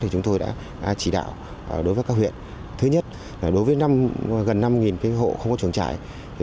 chúng tôi đã chỉ đạo đối với các huyện thứ nhất đối với gần năm hộ không có trường trại